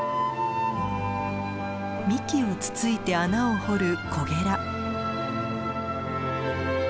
幹をつついて穴を掘るコゲラ。